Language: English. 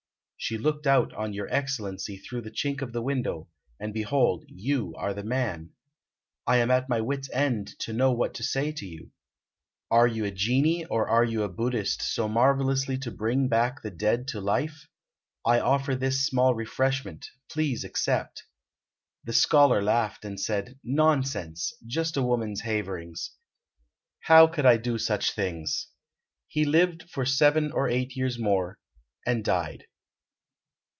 She looked out on your Excellency through the chink of the window, and, behold, you are the man. I am at my wits' end to know what to say to you. Are you a genii or are you a Buddhist, so marvellously to bring back the dead to life? I offer this small refreshment; please accept." The scholar laughed, and said, "Nonsense! Just a woman's haverings. How could I do such things?" He lived for seven or eight years more, and died.